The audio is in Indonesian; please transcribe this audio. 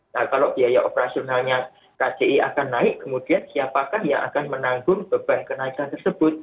nah kalau biaya operasionalnya kci akan naik kemudian siapakah yang akan menanggung beban kenaikan tersebut